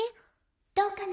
「どうかな？